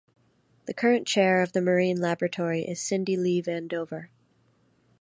The current Chair of the Marine Laboratory is Cindy Lee Van Dover.